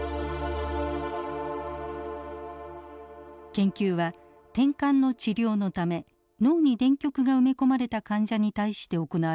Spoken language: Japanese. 研究はてんかんの治療のため脳に電極が埋め込まれた患者に対して行われました。